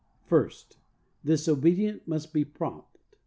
First: This obedience must be prompt.